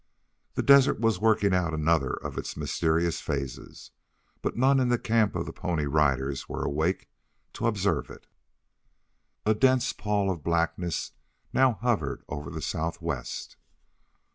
The desert was working out another of its mysterious phases, but none in the camp of the Pony Riders were awake to observe it. A dense pall of blackness now hovered over the southwest.